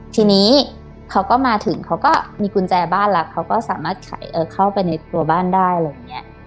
ทีนี้เขาก็มาถึงเขาก็มีกุญแจบ้านแล้วเขาก็สามารถเข้าไปในตัวบ้านได้อะไรอย่างนี้